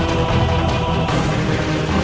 tidak haz ingata